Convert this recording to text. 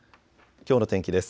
きょうの天気です。